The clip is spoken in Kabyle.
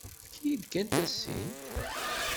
Efk-iyi-d kan tasint.